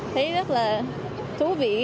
thấy rất là thú vị